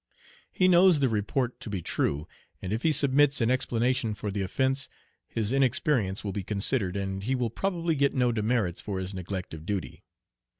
He knows the report to be true, and if he submits an explanation for the offence his inexperience will be considered, and he will probably get no demerits for his neglect of duty.